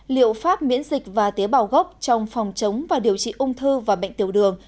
liệu pháp miễn dịch và tế bào gốc trong phòng chống và điều trị ung thư và bệnh tiểu đường